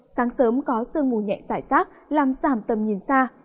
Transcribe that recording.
sáng sớm có sương mù nhẹ giải sát làm giảm tầm nhìn xa